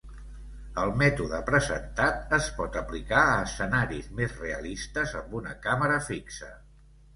El mètode presentat es pot aplicar a escenaris més realistes amb una càmera fixa.